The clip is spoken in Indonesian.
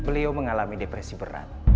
beliau mengalami depresi berat